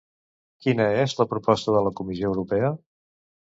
Quina és la proposta de la Comissió Europea?